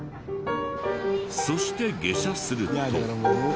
そして下車すると。